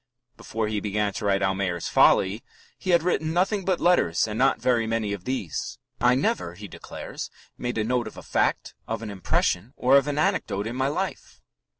Before he began to write Almayer's Folly he "had written nothing but letters and not very many of these." "I never," he declares, "made a note of a fact, of an impression, or of an anecdote in my life.